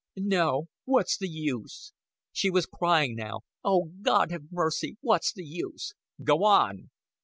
"No what's the use?" She was crying now. "Oh, God have mercy, what's the use?" "Go on."